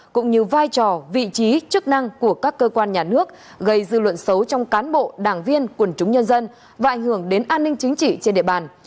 cũng như vai trò vị trí chức năng của các cơ quan nhà nước gây dư luận xấu trong cán bộ đảng viên quần chúng nhân dân và ảnh hưởng đến an ninh chính trị trên địa bàn